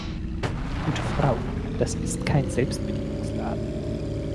Gute Frau, das ist kein Selbstbedienungsladen.